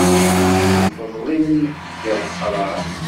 S lfeḍl-im i geɣ leqrar.